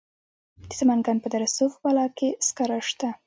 د سمنګان په دره صوف بالا کې سکاره شته.